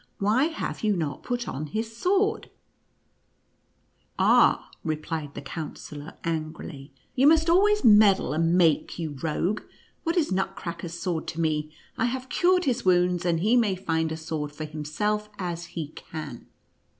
why have you not put on liis sword ?"" Ak," replied the Counsellor, angrily, " you must always meddle and make, you rogue. What is Nutcracker's sword to me? I have cured his wounds, and he may find a sword for himself as he can."